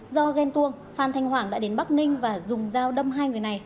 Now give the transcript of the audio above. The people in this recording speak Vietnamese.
do ghen tuông phan thanh hoàng đã đến bắc ninh và dùng dao đâm hai người này